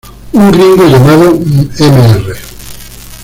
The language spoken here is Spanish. Un gringo llamado Mr.